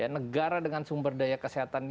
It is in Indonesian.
negara dengan sumber daya kesehatan